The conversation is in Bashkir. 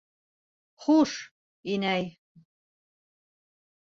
Хуш... инәй...